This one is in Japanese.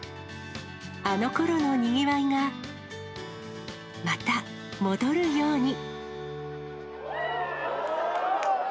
あのころのにぎわいがまた戻るように。